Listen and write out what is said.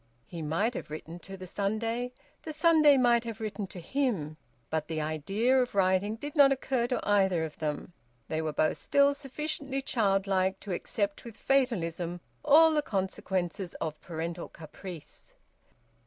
He might have written to the Sunday; the Sunday might have written to him: but the idea of writing did not occur to either of them; they were both still sufficiently childlike to accept with fatalism all the consequences of parental caprice.